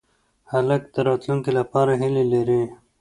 هلک د راتلونکې لپاره هیلې لري.